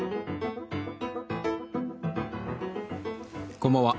こんばんは。